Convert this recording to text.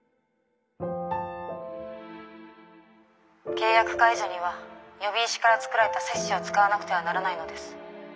契約解除には喚姫石から作られた鑷子を使わなくてはならないのです。